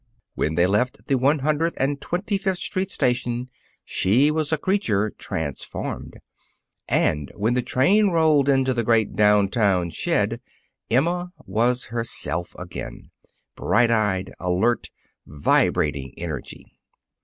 When they left the One Hundred and Twenty fifth Street station she was a creature transformed. And when the train rolled into the great down town shed, Emma was herself again, bright eyed, alert, vibrating energy.